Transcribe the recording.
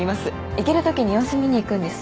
行けるときに様子見に行くんです